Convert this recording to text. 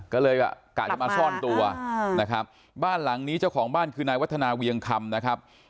ก็เลยกะจะมาซ่อนตัวนะครับบ้านหลังนี้เจ้าของบ้านคือนายวัฒนาเวียงคำนะครับ